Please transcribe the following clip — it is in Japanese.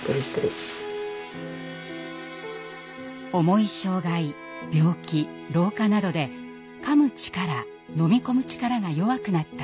重い障害病気老化などでかむ力飲み込む力が弱くなった人。